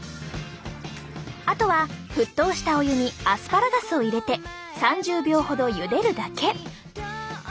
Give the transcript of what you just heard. あとは沸騰したお湯にアスパラガスを入れて３０秒ほどゆでるだけ。